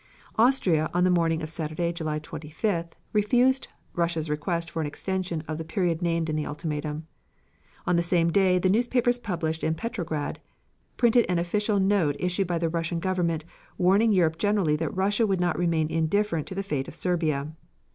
Austria, on the morning of Saturday, July 25th, refused Russia's request for an extension of the period named in the ultimatum. On the same day, the newspapers published in Petrograd printed an official note issued by the Russian Government warning Europe generally that Russia would not remain indifferent to the fate of Serbia.